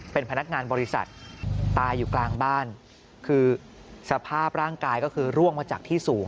เป็นพนักงานบริษัทตายอยู่กลางบ้านคือสภาพร่างกายก็คือร่วงมาจากที่สูง